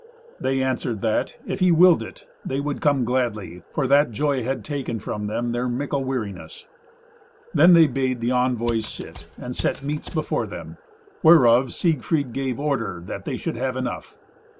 They answered that, if he willed it, they would come gladly, for that joy had taken from them their mickle weariness. Then they bade the envoys sit, and set meats before them, whereof Siegfried gave order they should have enough.